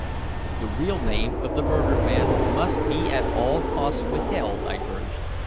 "The real name of the murdered man must be at all costs withheld," I urged.